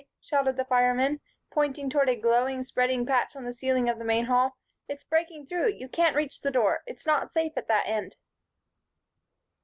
shouted the firemen, pointing towards a glowing, spreading patch on the ceiling of the main hall. "It's breaking through you can't reach the door! It's not safe at that end."